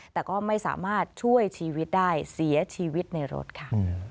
แต่ก็ไม่สามารถช่วยชีวิตได้เสียชีวิตในรถค่ะ